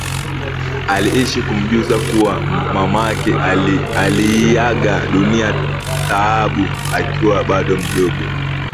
aliishi kumjuza kuwa mamake aliiaga dunia Taabu akiwa bado mdogo